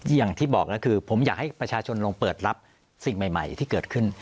อย่างที่บอกแล้วคือผมอยากให้ประชาชนลงเปิดรับสิ่งใหม่ที่เกิดขึ้น